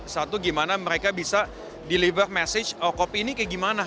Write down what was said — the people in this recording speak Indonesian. satu gimana mereka bisa deliver message kopi ini kayak gimana